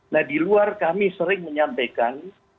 nah di luar kami sering menyampaikan